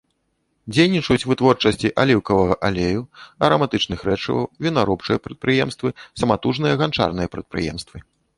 Дзейнічаюць вытворчасці аліўкавага алею, араматычных рэчываў, вінаробчыя прадпрыемствы, саматужныя ганчарныя прадпрыемствы.